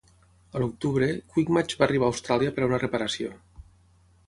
A l'octubre, "Quickmatch" va arribar a Austràlia per a una reparació.